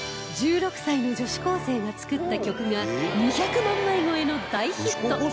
１６歳の女子高生が作った曲が２００万枚超えの大ヒット！